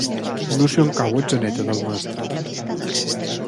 No sé on cau Atzeneta del Maestrat.